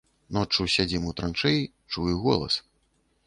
Ноччу сядзім у траншэі, чую голас.